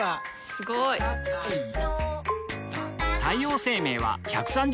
すごい！太陽生命は１３０周年